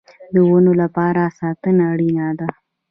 د ونو لپاره ساتنه اړین ده